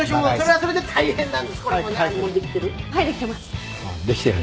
はいできてます。